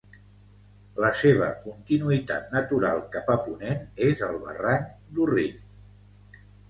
La seva continuïtat natural cap a ponent és el barranc d'Orrit.